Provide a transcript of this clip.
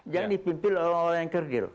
jangan dipimpin oleh orang orang yang kergil